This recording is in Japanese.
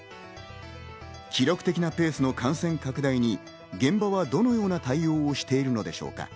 記録的なペースの感染拡大に現場はどのような対応をしているのでしょうか。